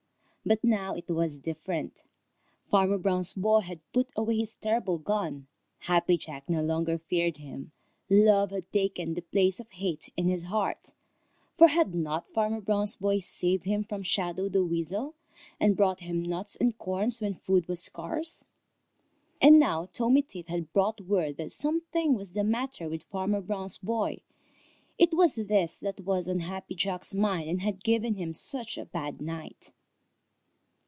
But now it was different. Farmer Brown's boy had put away his terrible gun. Happy Jack no longer feared him. Love had taken the place of hate in his heart, for had not Farmer Brown's boy saved him from Shadow the Weasel, and brought him nuts and corn when food was scarce? And now Tommy Tit had brought word that some thing was the matter with Farmer Brown's boy. It was this that was on Happy Jack's mind and had given him such a bad night.